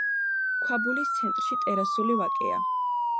ქვაბულის ცენტრში ტერასული ვაკეა.